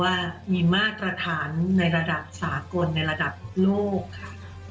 ว่ามีมาตรฐานในระดับสากลในระดับโลกค่ะ